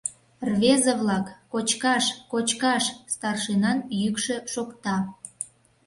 — Рвезе-влак, кочкаш, кочкаш! — старшинан йӱкшӧ шокта.